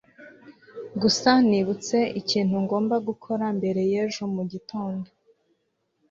Gusa nibutse ikintu ngomba gukora mbere y'ejo mu gitondo.